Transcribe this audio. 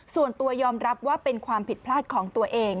ส่วนตัวยอมรับว่าเป็นความผิดพลาดของตัวเอง